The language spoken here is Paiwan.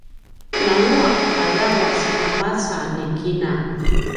nguaq aravac a maca ni kina